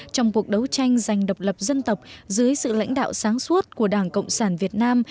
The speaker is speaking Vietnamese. trong cuộc đấu tranh giành độc lập dân tộc dưới sự lãnh đạo sáng suốt của đảng cộng sản việt nam